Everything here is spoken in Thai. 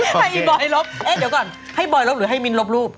ให้อีบอยลบเอ๊ะเดี๋ยวก่อนให้บอยลบหรือให้มิ้นลบรูป